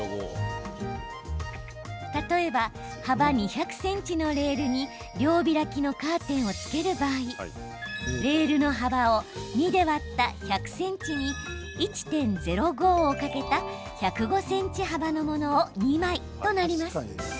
例えば、幅２００ｃｍのレールに両開きのカーテンをつける場合レールの幅を２で割った１００ｃｍに１．０５を掛けた１０５ｃｍ幅のものを２枚となります。